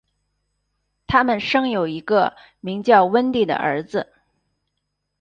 他们生有一个名叫温蒂的儿子。